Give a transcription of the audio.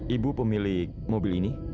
ibu pemilik mobil ini